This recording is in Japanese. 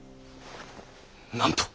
なんと！